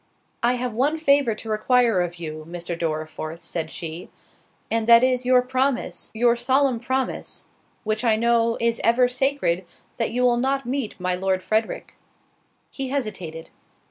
"I have one favour to require of you, Mr. Dorriforth," said she, "and that is, your promise, your solemn promise, which I know is ever sacred, that you will not meet my Lord Frederick." He hesitated.